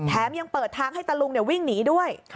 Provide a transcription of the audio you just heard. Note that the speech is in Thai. แถมยังเปิดทางให้ตะลุงเนี่ยวิ่งหนีด้วย